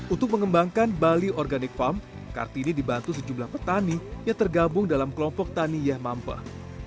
untuk mengembangkan bali organic farm kartini dibantu sejumlah petani yang tergabung dalam kelompok tani yah mamper